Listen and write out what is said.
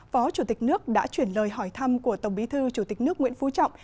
phó chủ tịch nước đã chuyển lời hỏi thăm của tổng bí thư chủ tịch nước nguyễn phú trọng